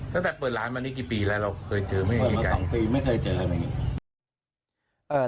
ตั้งแต่เปิดร้านมานี่กี่ปีแล้วอย่างไง